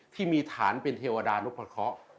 ที่มีฐานเป็นเทวอดาลุกภัทรเคาะ